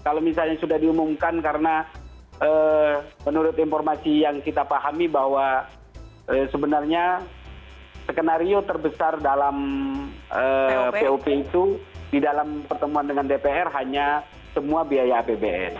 kalau misalnya sudah diumumkan karena menurut informasi yang kita pahami bahwa sebenarnya skenario terbesar dalam pop itu di dalam pertemuan dengan dpr hanya semua biaya apbn